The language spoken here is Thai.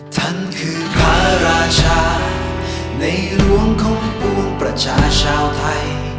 ท่านคือพระราชาในหลวงของปวงประชาชาวไทย